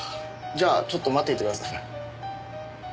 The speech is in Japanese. じゃあちょっと待っていてください。